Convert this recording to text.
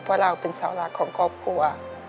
เพราะเราเป็นสาวหลักของครอบครัว